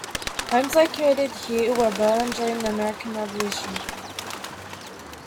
Homes located here were burned during the American Revolution.